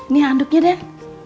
nih handuknya den